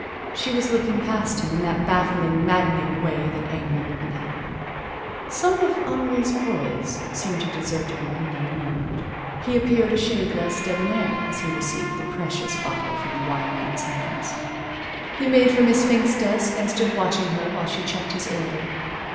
She was looking past him in that baffling, maddening way that angry women have. Some of Henri's poise seemed to desert him in that moment. He appeared a shade less debonair as he received the precious bottle from the wine man's hands. He made for Miss Fink's desk and stood watching her while she checked his order.